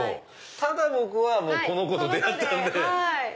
ただ僕はこの子と出会ったんで。